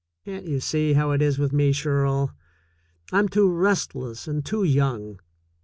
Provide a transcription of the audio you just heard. Can't you see how it is with me, Shirl? I'm too restless and too young.